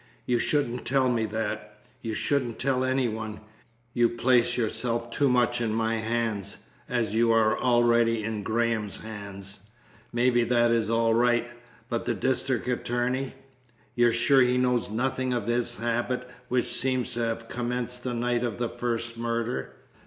"You shouldn't tell me that. You shouldn't tell any one. You place yourself too much in my hands, as you are already in Graham's hands. Maybe that is all right. But the district attorney? You're sure he knows nothing of this habit which seems to have commenced the night of the first murder?"